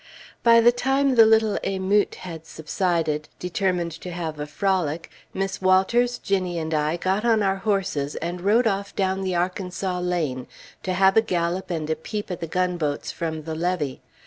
By the time the little émeute had subsided, determined to have a frolic, Miss Walters, Ginnie, and I got on our horses, and rode off down the Arkansas Lane, to have a gallop and a peep at the gunboats from the levee.